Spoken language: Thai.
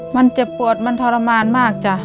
มันจับปวดมันทอรมณ์มากจ๊ะ